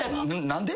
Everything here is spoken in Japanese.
何で？